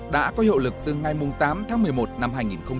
đã có hiệu lực từ ngày tám tháng một mươi một năm hai nghìn một mươi chín